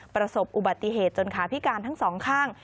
ประสบอุบัติเหตุจนขาพิการทั้งสองข้าง